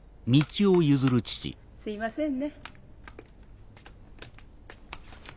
すいませんね。